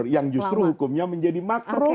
yang justru hukumnya menjadi makro